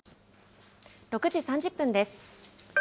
６時３０分です。